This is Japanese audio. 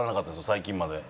最近まで。